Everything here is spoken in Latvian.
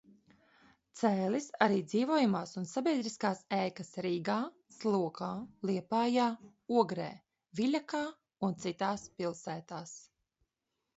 Cēlis arī dzīvojamās un sabiedriskās ēkas Rīgā, Slokā, Liepājā, Ogrē, Viļakā un citās pilsētās.